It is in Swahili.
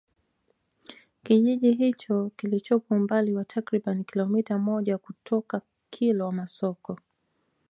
Kijiji hicho kilichopo umbali wa takribani kilometa moja kutoka Kilwa Masoko